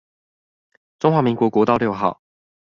中華民國國道六號